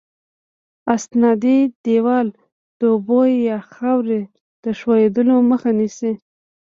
استنادي دیوال د اوبو یا خاورې د ښوېدلو مخه نیسي